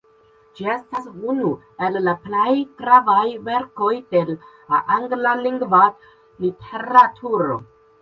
Ĝi estas unu el la plej gravaj verkoj de la anglalingva literaturo.